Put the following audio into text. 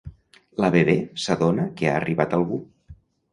La Bebè s'adona que ha arribat algú.